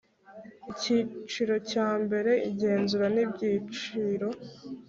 Icyiciro cya mbere Igenzura n ibyiciro